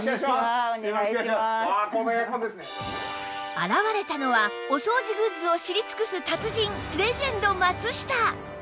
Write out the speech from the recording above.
現れたのはお掃除グッズを知り尽くす達人レジェンド松下！